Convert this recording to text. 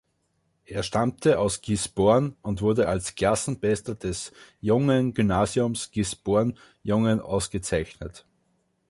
Er stammte aus Gisborne und wurde als Klassenbester des Jungengymnasiums Gisborne-Jungen ausgezeichnet.